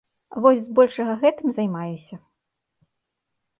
Вось збольшага гэтым займаюся.